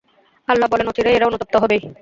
আল্লাহ বললেন, অচিরেই এরা অনুতপ্ত হবেই।